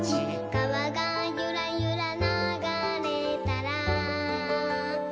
「かわがゆらゆらながれたら」